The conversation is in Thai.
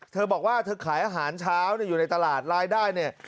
เธอบอกว่าเธอขายอาหารเช้าอยู่ในตลาดรายได้เนี่ย